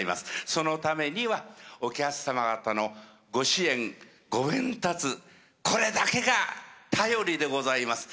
そのためにはお客様方のご支援ごべんたつこれだけが頼りでございます。